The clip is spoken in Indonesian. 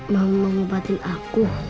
mau mengobatin aku